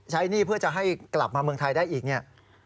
หนี้เพื่อจะให้กลับมาเมืองไทยได้อีกเนี่ย